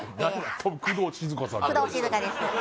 多分工藤静香さん